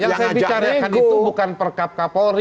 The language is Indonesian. yang saya bicarakan itu bukan perbuatan